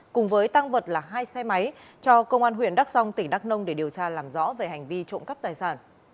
cùng với tăng vật là hai xe máy cho công an huyện đắc song tỉnh đắc nông để điều tra làm rõ về hành vi trộm cắp tài xế